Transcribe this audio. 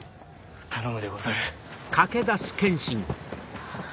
頼むでござる。